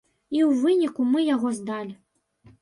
І ў выніку мы яго здалі.